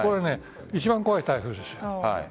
一番怖い台風です。